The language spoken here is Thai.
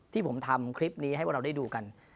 ที่ผมทำคลิปนี้ให้พวกเราได้ดูกัน